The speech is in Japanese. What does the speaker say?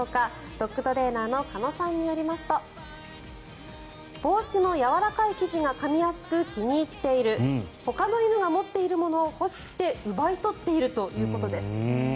ドッグトレーナーの鹿野さんによりますと帽子のやわらかい生地がかみやすく、気に入っているほかの犬が持っているものを欲しくて奪い取っているということです。